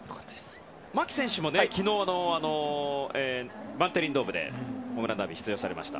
牧選手も昨日バンテリンドームでホームランダービーに出場されました。